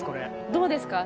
どうですか？